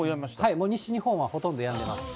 もう西日本はほとんどやんでます。